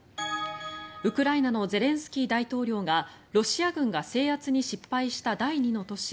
ウクライナのゼレンスキー大統領がロシア軍が制圧に失敗した第２の都市